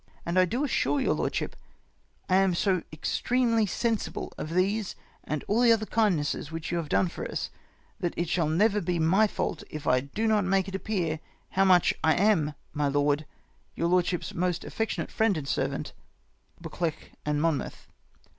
And I do assure your lordship, I am so extremely sensible of these and all other the kindnesses which 3'0ii have done for us, that it shall never be my fault if I do not make it appear how much I am, my lord, " Your lordship's most affectionate friend and servant, " BuccLEUCH and Monmouth.